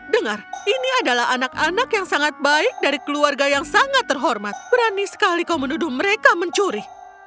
dengar ini adalah anak anak yang sangat baik dari keluarga yang sangat terhormat berani sekali kau menuduh mereka mencuri